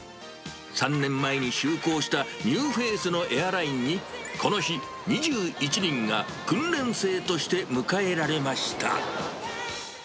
３年前に就航したニューフェイスのエアラインに、この日、２１人が訓練生として迎えられました。